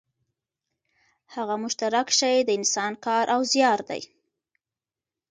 هغه مشترک شی د انسان کار او زیار دی